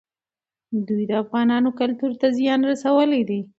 دوی د افغانانو کلتور ته زیان رسولی دی.